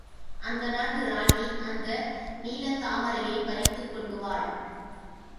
அந்த நாட்டு ராணி அந்த நீலத் தாமரையைப் பறித்துக்கொள்ளுவாள்.